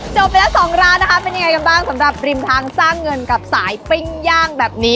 จบไปแล้วสองร้านนะคะเป็นยังไงกันบ้างสำหรับริมทางสร้างเงินกับสายปิ้งย่างแบบนี้